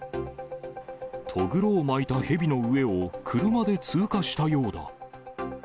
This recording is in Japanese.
とぐろを巻いたヘビの上を車で通過したようだ。